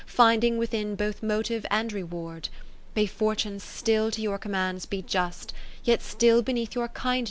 Finding within both motive and reward. May Fortune still to your commands be just, Yet still beneath your kindness or your trust.